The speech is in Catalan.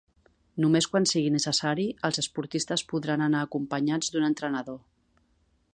Només quan sigui necessari, els esportistes podran anar acompanyats d’un entrenador.